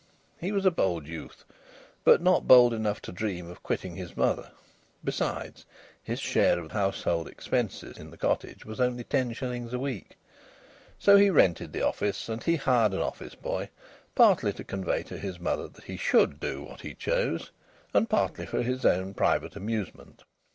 He was a bold youth, but not bold enough to dream of quitting his mother; besides, his share of household expenses in the cottage was only ten shillings a week. So he rented the office; and he hired an office boy, partly to convey to his mother that he should do what he chose, and partly for his own private amusement.